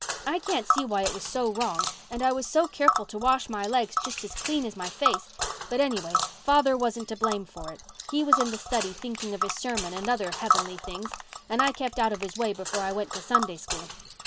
I can't see why it was so wrong and I was so careful to wash my legs just as clean as my face, but, anyway, father wasn't to blame for it. He was in the study thinking of his sermon and other heavenly things, and I kept out of his way before I went to Sunday School.